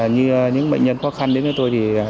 như những bệnh nhân khó khăn đến với tôi tôi đều đồng cảm